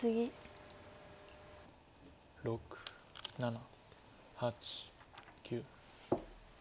６７８９。